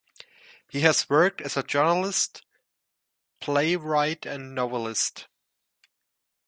He has worked as a journalist, playwright, and novelist.